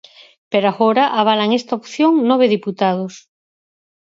Pero agora avalan esta opción nove deputados.